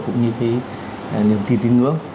cũng như cái niềm tin tín ngưỡng